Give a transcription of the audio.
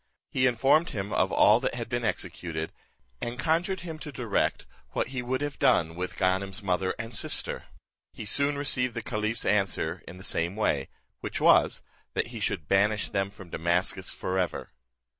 He informed him of all that had been executed, and conjured him to direct what he would have done with Ganem's mother and sister. He soon received the caliph's answer in the same way, which was, that he should banish them from Damascus for ever.